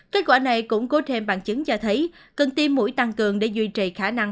kết quả này củng cố thêm bằng chứng cho thấy cần tiêm mũi tăng cường để duy trì khả năng